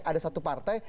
ada satu partai